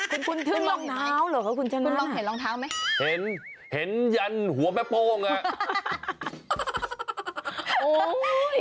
คุณคุณถึงรองเท้าเหรอคะคุณชนะคุณลองเห็นรองเท้าไหมเห็นเห็นยันหัวแม่โป้งอ่ะโอ้ย